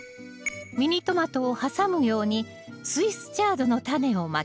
ミニトマトを挟むようにスイスチャードのタネをまきます